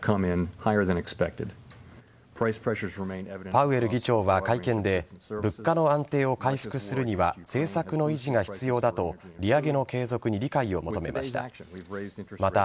パウエル議長は会見で物価の安定を回復するには政策の維持が必要だと利上げの継続に理解を求めました。